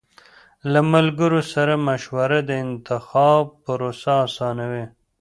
له ملګرو سره مشوره د انتخاب پروسه آسانوي.